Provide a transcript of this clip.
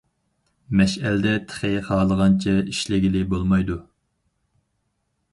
مەشئەلدە تېخى خالىغانچە ئىشلىگىلى بولمايدۇ.